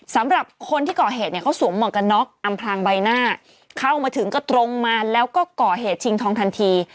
สำหรับคนที่ก่อเหตุเนี่ยเขาสวมหมวกกันน็อกอำพลางใบหน้าเข้ามาถึงก็ตรงมาแล้วก็ก่อเหตุชิงทองทันที